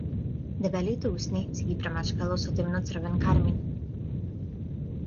Дебелите усни си ги премачкала со темно-црвен кармин.